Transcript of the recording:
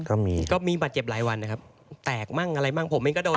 ก็มีก็มีบาดเจ็บหลายวันนะครับแตกมั่งอะไรมั่งผมเองก็โดน